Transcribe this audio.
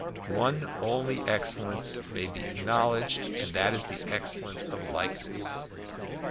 One only excellence may be acknowledged, and that is the excellence of likeness.